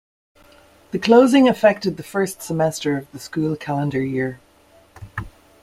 The closing affected the first semester of the school calendar year.